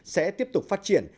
sẽ tiếp tục phát triển